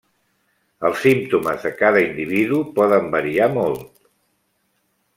Els símptomes de cada individu poden variar molt.